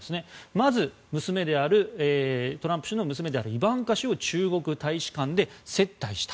まず、トランプ氏の娘であるイバンカ氏を中国大使館で接待した。